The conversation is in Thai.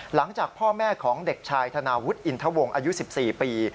หลังจากพ่อแม่ของเด็กชายธนาวุฒิอินทวงศ์อายุ๑๔ปี